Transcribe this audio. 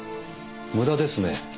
無駄ですね。